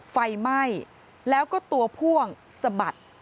ไฟไหม้แล้วก็ตัวพ่วงสะบัด